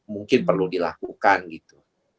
mungkin perlu dilakukan gitu